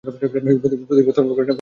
প্রতিভা তর্ক করে না, সৃষ্টি করে।